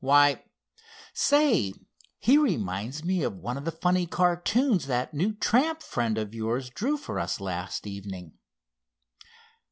Why, say, he reminds me of one of the funny cartoons that new tramp friend of yours drew for us last evening."